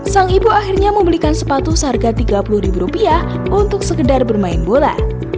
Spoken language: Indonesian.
sang ibu akhirnya membelikan sepatu seharga tiga puluh ribu rupiah untuk sekedar bermain bola